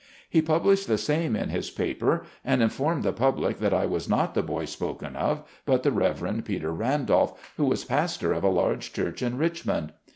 He published the same in his paper and informed the public that I was not the boy spoken of, but the Rev. Peter Randolph, who was pastor of a large church in Richmond.